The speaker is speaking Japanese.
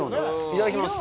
いただきます。